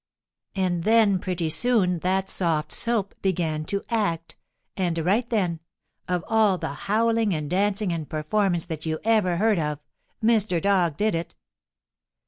And then pretty soon that soft soap began to act, and, right then, of all the howling and dancing and performance that you ever heard of, Mr. Dog did it.